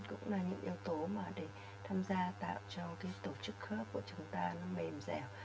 cũng là những yếu tố mà để tham gia tạo cho cái tổ chức khác của chúng ta nó mềm dẻo